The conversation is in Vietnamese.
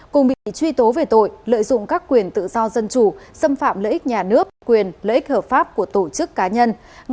cùng bị truy tố về tội lợi dụng các quyền tự do dân chủ xâm phạm lợi ích nhà nước quyền lợi ích hợp pháp của tổ chức cá nhân